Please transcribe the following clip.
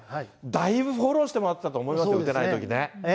だいぶフォローしてもらっていたと思いますよ、そうですね。